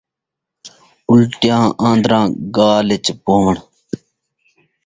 اُلٹیاں آن٘دراں ڳال اِچ پووݨ